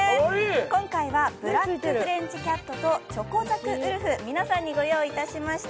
今回はブラックフレンチキャットとチョコザクウルフ、皆さんにご用意しました。